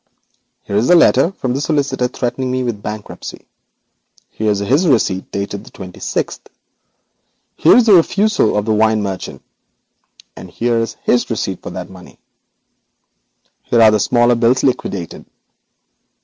Here is the communication from the solicitor threatening me with bankruptcy; here is his receipt dated the twenty sixth; here is the refusal of the wine merchant, and here is his receipt for the money. Here are smaller bills liquidated.